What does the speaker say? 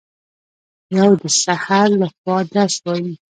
یو د سحر لخوا درس وايي